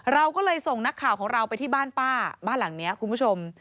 เราก็เลยส่งนักข่าวของเราไปที่บ้านป้าบ้านหลังนี้คุณผู้ชม